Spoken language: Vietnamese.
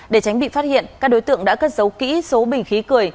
để tránh bị phát hiện các đối tượng đã cất giấu kỹ số bình khí cười